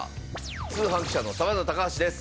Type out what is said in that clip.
通販記者のサバンナ高橋です。